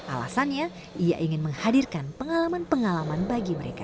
alasannya ia ingin menghadirkan pengalaman pengalaman bagi mereka